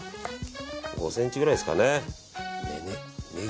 ５ｃｍくらいですかね。